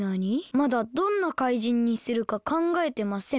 「まだどんなかいじんにするかかんがえてません。